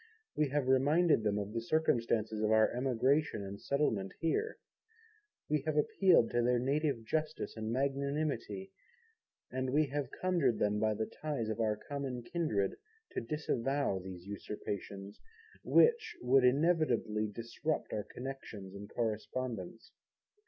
We have reminded them of the circumstances of our emigration and settlement here. We have appealed to their native justice and magnanimity, and we have conjured them by the ties of our common kindred to disavow these usurpations, which would inevitably interrupt our connections and correspondence.